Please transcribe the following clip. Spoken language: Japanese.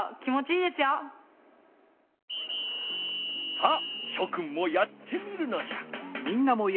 さあしょくんもやってみるのじゃ。